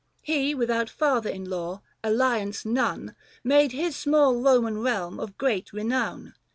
195 He without father in law, alliance none, Made his small Roman realm of great renown.